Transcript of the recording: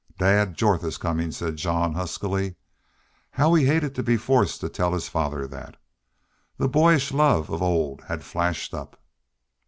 "Dad Jorth is comin'," said Jean, huskily. How he hated to be forced to tell his father that! The boyish love of old had flashed up.